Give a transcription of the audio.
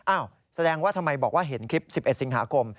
แสดงว่าทำไมบอกว่าเห็นคลิป๑๑สิงหาคม